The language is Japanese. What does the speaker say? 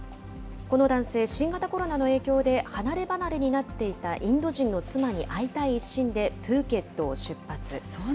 この男性、新型コロナの影響で離れ離れになっていたインド人の妻に会いたい一心でプーケットを出発。